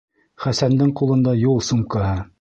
Хәсәндең ҡулында юл сумкаһы.